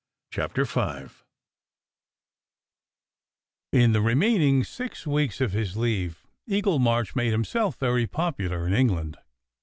CHAPTER V IN THE remaining six weeks of his leave, Eagle March made himself very popular in England.